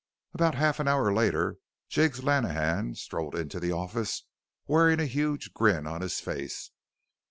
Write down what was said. About half an hour later Jiggs Lenehan strolled into the office wearing a huge grin on his face.